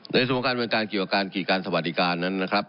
ในสมการบริการเกี่ยวกันกิจการสวัสดีการณ์นะครับ